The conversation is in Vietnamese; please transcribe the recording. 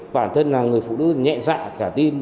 bản thân là người phụ nữ nhẹ dạ cả tin